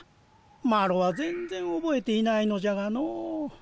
マロは全然おぼえていないのじゃがのう。